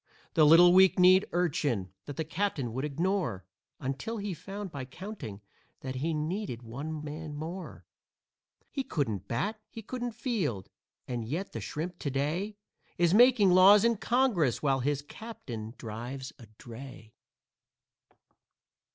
The little weak kneed urchin that the captain would ignore Until he found by counting, that he needed one man more. He couldn't bat, he couldn't field, and yet that shrimp to day Is making laws in Congress, while his captain drives a dray.